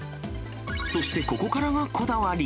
そしてここからがこだわり。